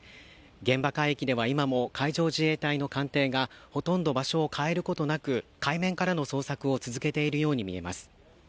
現場海域では今も海上自衛隊の艦艇がほとんど場所を変えることなく、海面からの捜索を続けているように見えます。